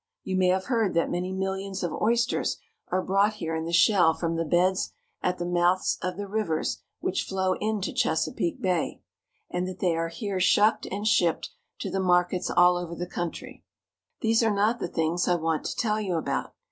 You may have heard that many millions of oysters are brought here in the shell from the beds at the mouths of the rivers which flow into Chesapeake Bay, and that they are here shucked and shipped to the mar kets all over the country. These are not the things I want to tell you about.